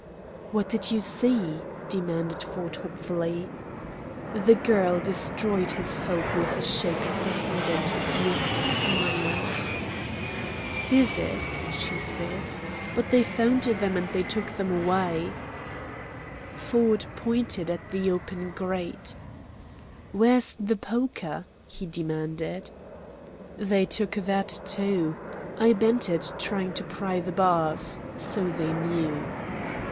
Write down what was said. "What did you see?" demanded Ford hopefully. The girl destroyed his hope with a shake of her head and a swift smile. "Scissors," she said; "but they found them and took them away." Ford pointed at the open grate. "Where's the poker?" he demanded. "They took that, too. I bent it trying to pry the bars. So they knew."